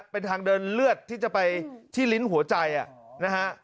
เป็นทางเดินเลือดที่จะไปที่ลิ้นหัวใจนะฮะ